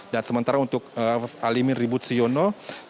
dan sementara untuk alimin ribut siono